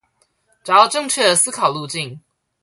找到正確的思考路徑